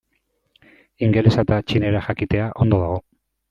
Ingelesa eta txinera jakitea ondo dago.